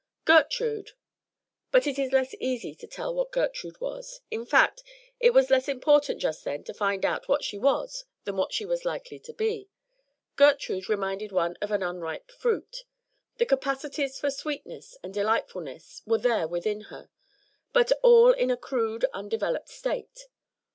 Gertrude but it is less easy to tell what Gertrude was. In fact, it was less important just then to find out what she was than what she was likely to be. Gertrude reminded one of an unripe fruit. The capacities for sweetness and delightfulness were there within her, but all in a crude, undeveloped state.